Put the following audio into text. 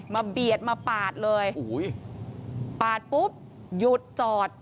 เบียดมาปาดเลยโอ้โหปาดปุ๊บหยุดจอด